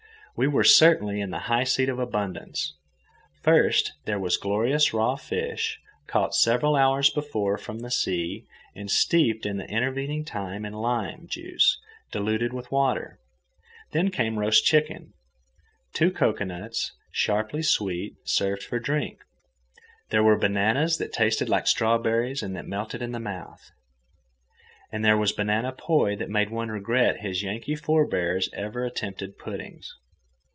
We were certainly in the high seat of abundance. First, there was glorious raw fish, caught several hours before from the sea and steeped the intervening time in lime juice diluted with water. Then came roast chicken. Two cocoanuts, sharply sweet, served for drink. There were bananas that tasted like strawberries and that melted in the mouth, and there was banana poi that made one regret that his Yankee forebears ever attempted puddings.